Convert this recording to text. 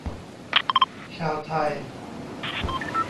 ชาวไทย